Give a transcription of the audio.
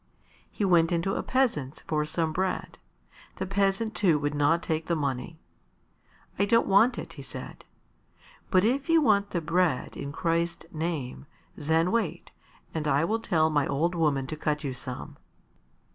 He went into a peasant's for some bread. The peasant too would not take the money. "I don't want it," he said. "But if you want the bread in Christ's name, then wait, and I'll tell my old woman to cut you some."